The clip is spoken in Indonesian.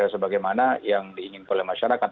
sebagaimana yang diinginkan oleh masyarakat